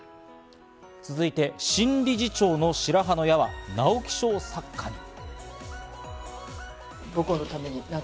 続いて新理事長の白羽の矢は直木賞作家に。